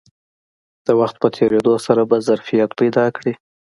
د وخت په تېرېدو سره به ظرفیت پیدا کړي